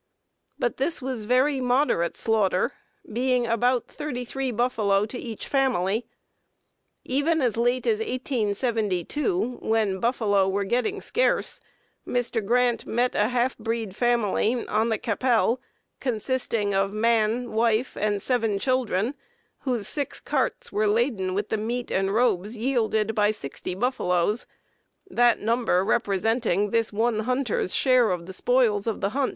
But this was very moderate slaughter, being about 33 buffalo to each family. Even as late as 1872, when buffalo were getting scarce, Mr. Grant met a half breed family on the Qu'Appelle, consisting of man, wife, and seven children, whose six carts were laden with the meat and robes yielded by sixty buffaloes; that number representing this one hunter's share of the spoils of the hunt.